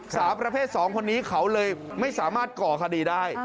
สาวประเภท๒คนนี้เขาเลยไม่สามารถก่อคดีได้